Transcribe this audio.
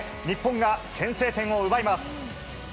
日本が先制点を奪います。